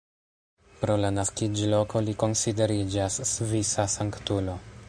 Pro la naskiĝloko li konsideriĝas svisa sanktulo.